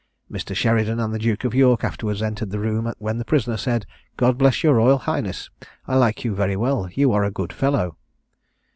Mr. Sheridan and the Duke of York afterwards entered the room, when the prisoner said, "God bless your Royal Highness! I like you very well, you are a good fellow."